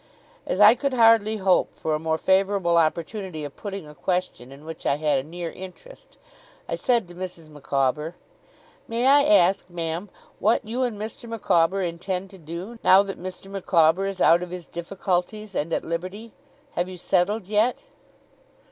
As I could hardly hope for a more favourable opportunity of putting a question in which I had a near interest, I said to Mrs. Micawber: 'May I ask, ma'am, what you and Mr. Micawber intend to do, now that Mr. Micawber is out of his difficulties, and at liberty? Have you settled yet?